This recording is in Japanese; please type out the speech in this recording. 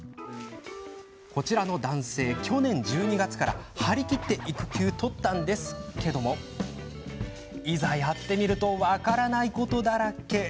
こちらの男性、去年１２月から張り切って育休を取ったのですがいざ、やってみると分からないことだらけ。